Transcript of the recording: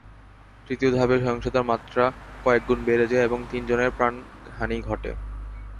তৃতীয় ধাপে সহিংসতার মাত্রা কয়েক গুণ বেড়ে যায় এবং তিনজনের প্রাণহানি ঘটে।